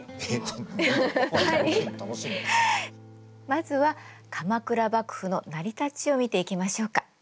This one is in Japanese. まずは鎌倉幕府の成り立ちを見ていきましょうか。